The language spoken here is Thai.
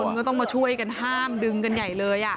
ก็ต้องมาช่วยกันห้ามดึงกันใหญ่เลย